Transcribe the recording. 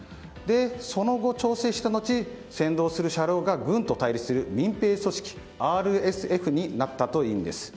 その後、調整した後先導する車両が軍と対立する民兵組織ＲＳＦになったというんです。